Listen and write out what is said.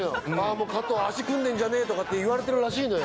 もう加藤足組んでんじゃねえとかって言われてるらしいのよ